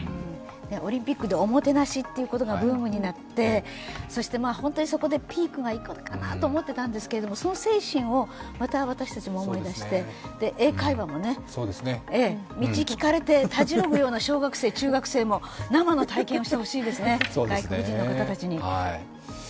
オリンピックでおもてなしというのが人気になって、本当にそこでピークがいくのかなと思っていたんですけれども、その精神をまた私たちも思い出して、英会話もね、道聞かれてたじろぐような小学生、中学生も生の体験をしてほしいですね、外国人の方たちに。